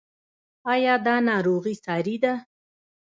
ایا دا ناروغي ساري ده؟